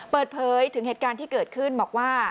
เปิดเผยถึงเหตุการณ์ที่เกิดขึ้นบอกว่า